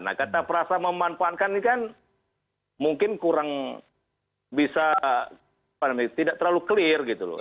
nah kata perasa memanfaatkan ini kan mungkin kurang bisa tidak terlalu clear gitu loh